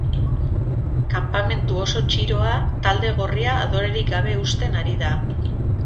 Kanpamentu oso txiroa talde gorria adorerik gabe uzten ari da.